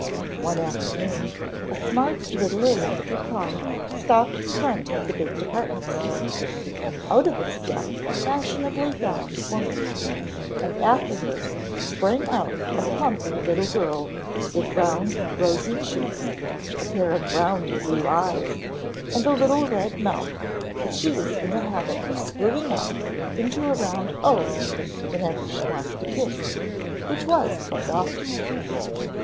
One afternoon a smart little electric car stopped in front of the big department store. Out of it stepped a fashionably gowned woman, and after her sprang out a plump little girl with round, rosy cheeks, a pair of round blue eyes and a little red mouth that she was in the habit of screwing up into a round O whenever she wanted a kiss, which was quite often.